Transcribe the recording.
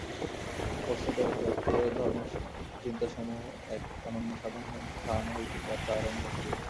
বস্তুত ভারতীয় ধর্ম চিন্তাসমূহ এক অনন্যসাধারণ স্থান হইতে যাত্রা আরম্ভ করিয়াছিল।